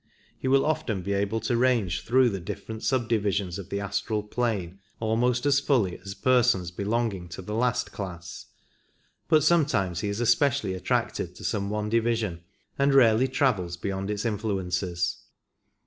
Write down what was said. He will often be able to range through the different subdivisions of the astral plane almost as fully as persons belonging to the last class ; but sometimes he is especially attracted to some one division and rarely travels beyond its influences.